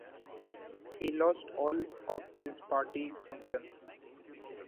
He lost all of his party functions.